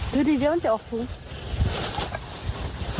เดี๋ยวหลีก็จะออกโผล่